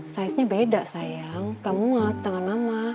saiznya beda sayang kamu atur tangan mama